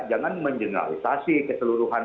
jangan menjeneralisasi keseluruhan